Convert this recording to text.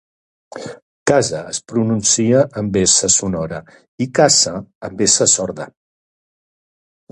Casa es pronuncia amb s sonora i caça amb s sorda